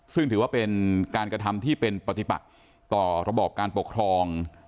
ซึ่งถือว่าเป็นการกระทำที่เป็นปฏิบัติต่อระบอบการปกครอง